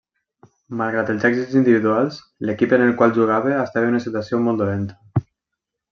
Malgrat els èxits individuals, l'equip en el qual jugava estava en una situació molt dolenta.